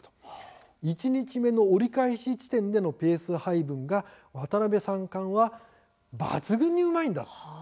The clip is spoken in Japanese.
１日目の折り返し地点でのペース配分が渡辺三冠は抜群にうまい。